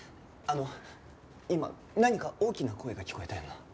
あの今何か大きな声が聞こえたような。